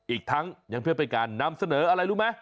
อีกทั้งยังเพื่อเป็นการนำเสนออะไรรู้ไหม